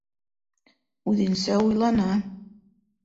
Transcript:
Үҙенсә уйлана.